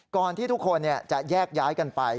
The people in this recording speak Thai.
ก่อนที่ทุกคนจะแยกย้ายกันไป